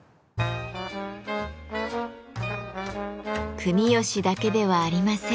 国芳だけではありません。